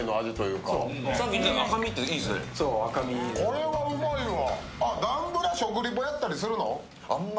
これはうまいわ。